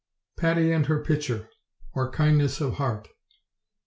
PATTY AND HER PITCHER; OR, KINDNESS OF HEART.